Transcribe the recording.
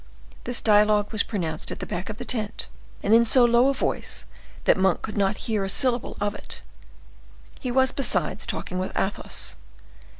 This dialogue was pronounced at the back of the tent, and in so low a voice that Monk could not hear a syllable of it; he was, besides, talking with Athos.